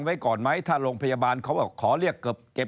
ไม่ให้นะครับแล้วก็ผิดกฎหมายด้วยครับ